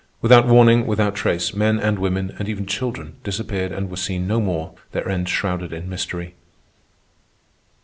Without warning, without trace, men and women, and even children, disappeared and were seen no more, their end shrouded in mystery.